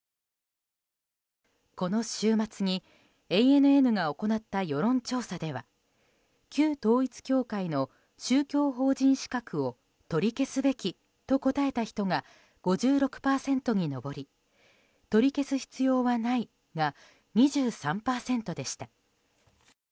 この週末にＡＮＮが行った世論調査では旧統一教会の宗教法人資格を取り消すべきと答えた人が５６％に上り取り消す必要はないが２３％でした。